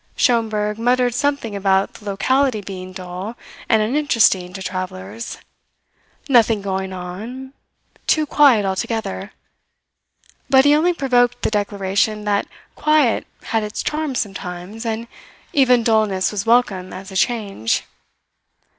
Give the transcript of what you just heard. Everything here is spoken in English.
Schomberg muttered something about the locality being dull and uninteresting to travellers nothing going on too quiet altogether, but he only provoked the declaration that quiet had its charm sometimes, and even dullness was welcome as a change.